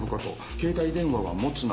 携帯電話は持つな。